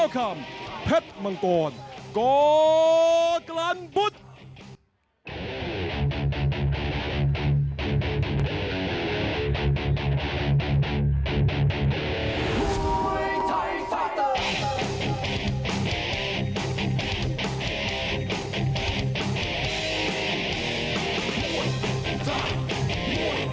ชกมาแล้ว๘๓ฟัยชนะ๕๗ฟัย